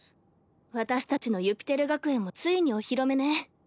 私たちのユピテル学園もついにお披露目ね。